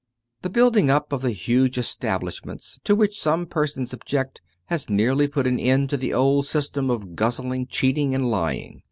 The building up of the huge establishments, to which some persons object, has nearly put an end to the old system of guzzling, cheating, and lying.